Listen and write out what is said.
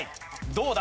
どうだ？